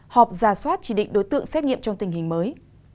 họp ra soát chỉ định đối tượng xét nghiệm trong tình hình mới